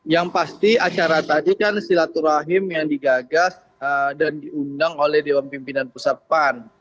yang pasti acara tadi kan silaturahim yang digagas dan diundang oleh dewan pimpinan pusat pan